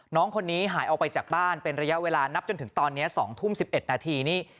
น้องคนนี้หายออกไปจากบ้านเป็นระยะเวลานับจนถึงตอนนี้๒ทุ่ม๑๑นาทีนี่